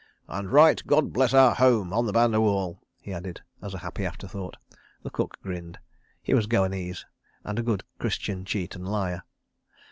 "And write 'God Bless Our Home' on the banda wall," he added, as a happy after thought. The cook grinned. He was a Goanese, and a good Christian cheat and liar.